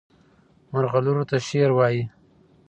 مرغلرو ته شعر وایي.